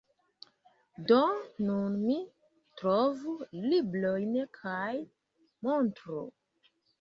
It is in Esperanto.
Do, nun mi trovu librojn kaj montru.